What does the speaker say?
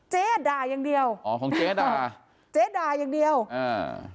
เจ๊อะด่ายังเดียวอ๋อของเจ๊ด่าเจ๊ด่ายังเดียวเออ